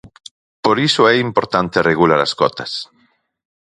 Por iso é importante regular as cotas.